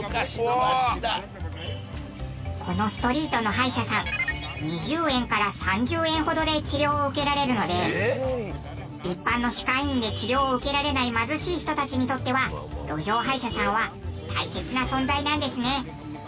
このストリートの歯医者さん２０円から３０円ほどで治療を受けられるので一般の歯科医院で治療を受けられない貧しい人たちにとっては路上歯医者さんは大切な存在なんですね。